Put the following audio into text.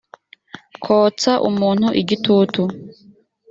kotsa umuntu igitutu